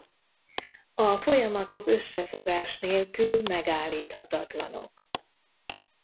A folyamatok összefogás nélkül megállíthatatlanok.